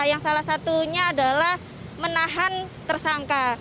yang salah satunya adalah menahan tersangka